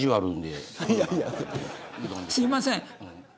すみません。